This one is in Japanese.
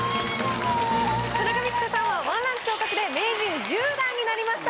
田中道子さんは１ランク昇格で名人１０段になりました。